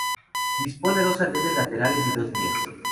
Dispone dos andenes laterales y dos vías.